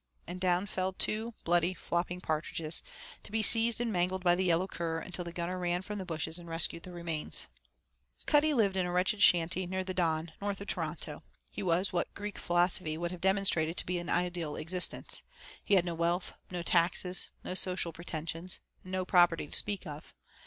and down fell two bloody, flopping partridges, to be seized and mangled by the yellow cur until the gunner ran from the bushes and rescued the remains. III Cuddy lived in a wretched shanty near the Don, north of Toronto. His was what Greek philosophy would have demonstrated to be an ideal existence. He had no wealth, no taxes, no social pretensions, and no property to speak of.